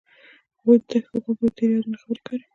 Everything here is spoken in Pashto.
هغوی د دښته په خوا کې تیرو یادونو خبرې کړې.